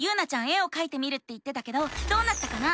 絵をかいてみるって言ってたけどどうなったかな？